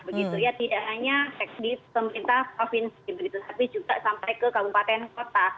begitu ya tidak hanya di pemerintah provinsi begitu tapi juga sampai ke kabupaten kota